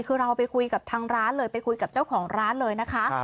คือเราไปคุยกับทางร้านเลยไปคุยกับเจ้าของร้านเลยนะคะ